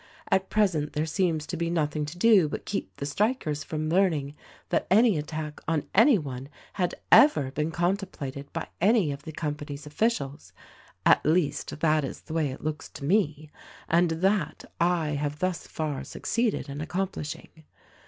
"At present there seems to be nothing to do but keep 166 THE RECORDING ANGEL the strikers from learning that any attack on anyone had ever been contemplated by any of the company's officials, at least that is the way it looks to me; and, that, I have thus far succeeded in accomplishing.